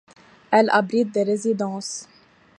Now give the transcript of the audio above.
Elle abrite des résidences.